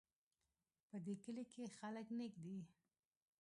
په دې کلي کې خلک نیک دي